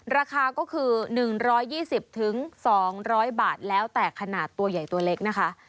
ราคาก็คือ๑๒๐๒๐๐บาทแล้วแต่ขนาดตัวใหญ่ตัวเล็กนะคะ